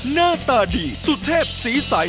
หน้าตาดีสุดเทพสีสัย